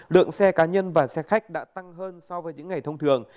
lượng xe cá nhân và xe khách đã tăng hơn so với những ngày thông thường